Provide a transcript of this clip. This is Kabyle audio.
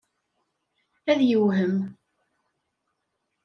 Ad yewhem.